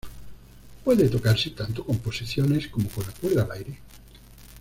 Puede tocarse tanto con posiciones como con la cuerda al aire.